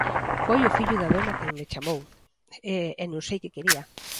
Foi o fillo da dona quen me chamou, e non sei que quería.